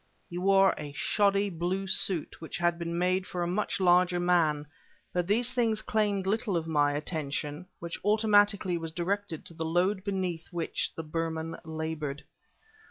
He wore a shoddy blue suit, which had been made for a much larger man; but these things claimed little of my attention, which automatically was directed to the load beneath which the Burman labored.